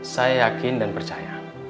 saya yakin dan percaya